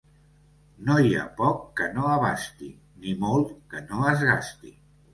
No hi ha poc que no abasti, ni molt que no es gasti.